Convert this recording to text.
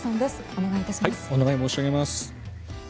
お願い申し上げます。